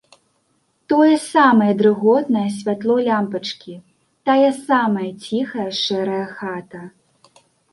Тое самае дрыготнае святло лямпачкі, тая самая ціхая шэрая хата.